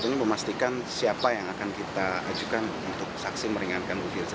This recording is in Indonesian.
ini memastikan siapa yang akan kita ajukan untuk saksi meringankan bu firza